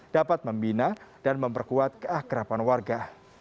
dapat membina dan memperkuat keakrapan warga